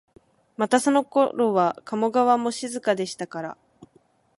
またそのころは加茂川も静かでしたから、